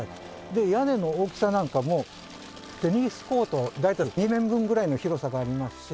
で屋根の大きさなんかもテニスコート大体２面分ぐらいの広さがありますし。